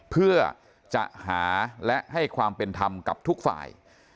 เพื่อจะหาและให้ความเป็นธรรมกับทุกฝ่าย